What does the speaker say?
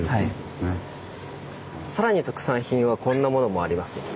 さらに特産品はこんなものもあります。